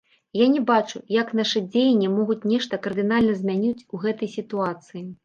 Я не бачу, як нашы дзеянні могуць нешта кардынальна змяніць у гэтай сітуацыі.